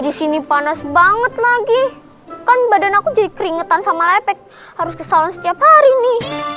di sini panas banget lagi kan badan aku jadi keringetan sama lepek harus ke salon setiap hari nih